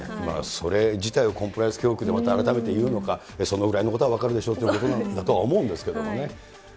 それ自体をコンプライアンス教育でまた改めていうのか、そのぐらいのことは分かるだろうということだと思うんですけどね。